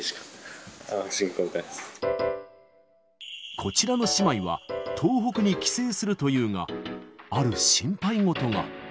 こちらの姉妹は、東北に帰省するというが、ある心配事が。